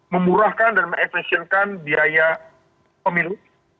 memurahkan dan mengefesienkan biaya pemilu